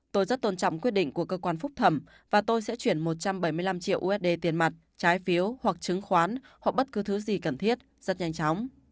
tôi rất tôn trọng quyết định của cơ quan phúc thẩm và tôi sẽ chuyển một trăm bảy mươi năm triệu usd tiền mặt trái phiếu hoặc chứng khoán hoặc bất cứ thứ gì cần thiết rất nhanh chóng